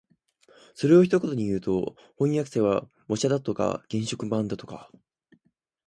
それを一口にいうと、飜訳者は模写だとか原色版だとか